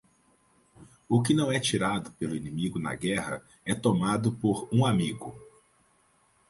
O que não é tirado pelo inimigo na guerra é tomado por um amigo.